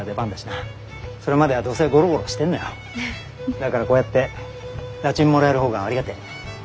だからこうやって駄賃もらえる方がありがてえ。